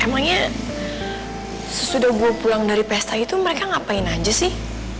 emangnya sesudah gue pulang dari pesta itu mereka ngapain aja sih